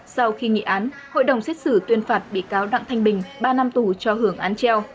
sau khi nghị án hội đồng xét xử tuyên phạt bị cáo đặng thanh bình ba năm tù cho hưởng án treo